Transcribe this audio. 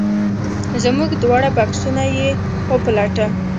زموږ دواړه بکسونه یې وپلټل.